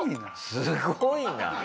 すごいな。